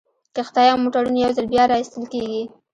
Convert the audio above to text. کښتۍ او موټرونه یو ځل بیا را ایستل کیږي